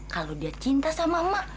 kalau dia cinta sama emak